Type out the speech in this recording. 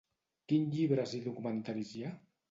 Quin llibres i documentaris hi ha?